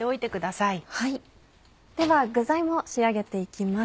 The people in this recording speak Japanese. では具材も仕上げて行きます。